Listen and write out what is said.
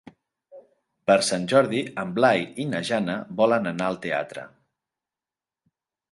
Per Sant Jordi en Blai i na Jana volen anar al teatre.